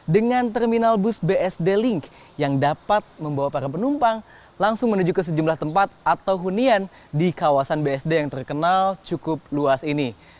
dengan terminal bus bsd link yang dapat membawa para penumpang langsung menuju ke sejumlah tempat atau hunian di kawasan bsd yang terkenal cukup luas ini